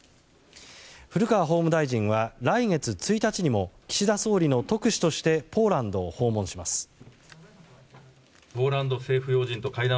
古川法務大臣は来月１日にも岸田総理の特使としてポーランドを訪問します。